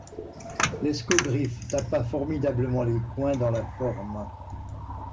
L'escogriffe tapa formidablement les coins dans la forme.